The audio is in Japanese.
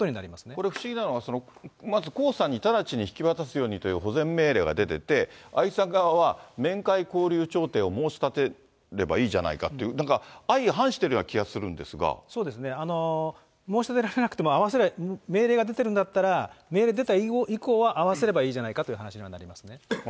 これ不思議なのが、まず江さんに直ちに引き渡すようにという保全命令が出てて、愛さん側は、面会交流調停を申し立てればいいじゃないかって、なんか、相反しそうですね、申し立てられなくても、会わせる命令が出てるんだったら、命令出た以降は会わせればいいじゃないかという話にはなりますね。